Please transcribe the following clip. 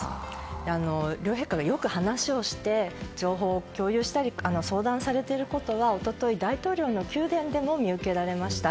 両陛下がよく話をして情報を共有したり相談されていることは一昨日、大統領の宮殿でも見受けられました。